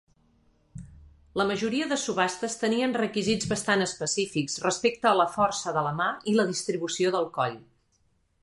La majoria de subhastes tenien requisits bastant específics respecte a la força de la mà i la distribució del coll.